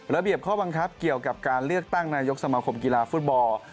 ระเบียบข้อบังคับเกี่ยวกับการเลือกตั้งนายกสมาคมกีฬาฟุตบอล